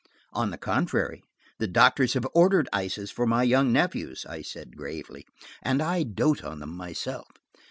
"On the contrary, the doctors have ordered ices for my young nephews," I said gravely, "and I dote on them myself."